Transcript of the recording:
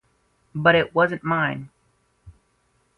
But it wasn't mine.